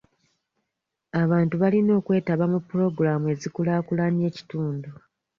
Abantu balina okwetaba mu pulogulaamu ezikulaakulanya ekitundu.